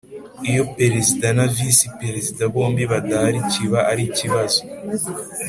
Iyo Perezida na Visi Perezida bombi badahari cyiba arikibazo.